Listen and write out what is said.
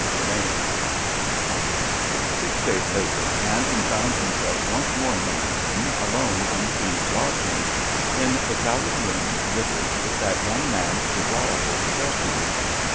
CHAPTER III Six days later Manton found himself once more in Lymington, alone in Treves's lodgings, in the crowded room, littered with that young man's desirable possessions.